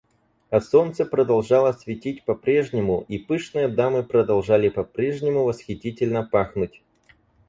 А солнце продолжало светить по-прежнему, и пышные дамы продолжали по-прежнему восхитительно пахнуть.